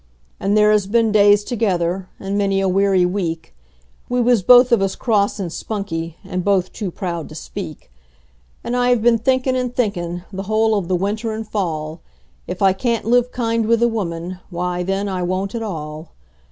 And there has been days together and many a weary week We was both of us cross and spunky, and both too proud to speak; And I have been thinkin' and thinkin', the whole of the winter and fall, If I can't live kind with a woman, why, then, I won't at all.